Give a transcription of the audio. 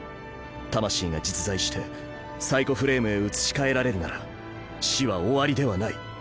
魂が実在してサイコフレームへ移し替えられるなら死は終わりではない。